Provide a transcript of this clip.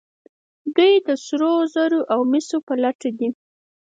دوی د سرو زرو او مسو په لټه دي.